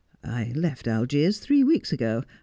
' I left Algiers three weeks ago.